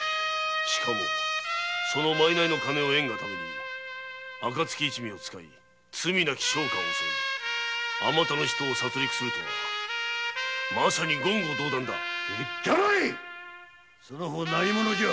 しかもその賄賂の金を得んがため暁一味を使い商家を襲いあまたの人を殺りくするとはまさに言語道断だ黙れその方何者じゃ？